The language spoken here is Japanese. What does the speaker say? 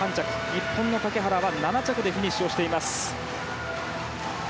日本の竹原は７着でフィニッシュしています。